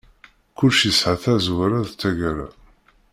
Kullec yesɛa tazwara d taggara.